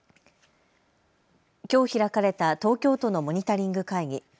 きょう開かれた東京都のモニタリング会議。